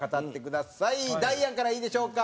ダイアンからいいでしょうか。